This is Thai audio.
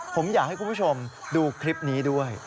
ผมอยากให้คุณผู้ชมดูคลิปนี้ด้วย